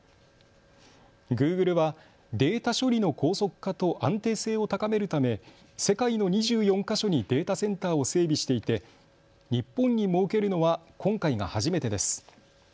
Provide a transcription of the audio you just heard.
グーグルはデータ処理の高速化と安定性を高めるため世界の２４か所にデータセンターを整備していて日本に設けるのは今回が初めてです。